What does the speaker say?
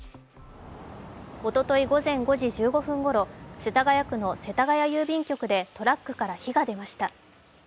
おととい午前５時１５分ごろ、世田谷区の世田谷郵便局でトラックから火が出ました。